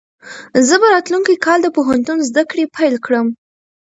زه به راتلونکی کال د پوهنتون زده کړې پیل کړم.